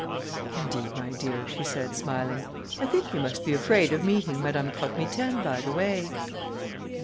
"Indeed, my dear," she said, smiling, "I think you must be afraid of meeting Madame Croque Mitaine by the way."